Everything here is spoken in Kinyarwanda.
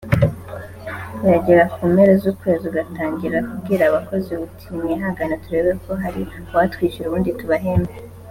byagera ku mpera z’ukwezi ugatangira kubwira abakozi uti nimwihangane turebe ko hari uwatwishyura ubundi tubahembe